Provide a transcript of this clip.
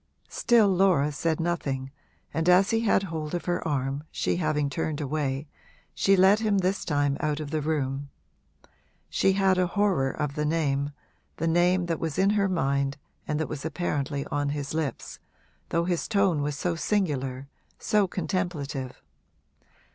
Still Laura said nothing, and as he had hold of her arm, she having turned away, she led him this time out of the room. She had a horror of the name, the name that was in her mind and that was apparently on his lips, though his tone was so singular, so contemplative.